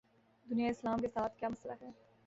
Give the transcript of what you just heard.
دنیائے اسلام کے ساتھ کیا مسئلہ ہے؟